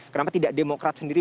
kenapa tidak demokrat sendiri